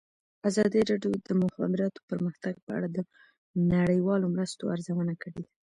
ازادي راډیو د د مخابراتو پرمختګ په اړه د نړیوالو مرستو ارزونه کړې.